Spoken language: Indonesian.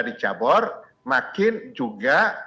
di cabur makin juga